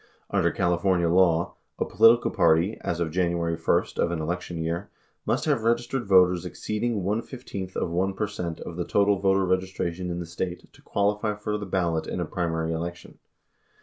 Under California law, 69 a political party, as of January 1 of an election year, must have registered voters exceeding one fifteenth of 1 percent of the total voter registration in the State to qualify for the ballot in a primary election.